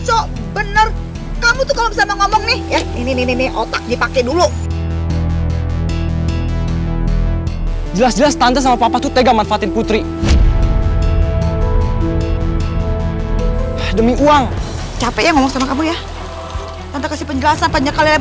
omongan kamu gak yes bingit si yaitu dewa ya